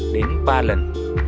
đến ba lần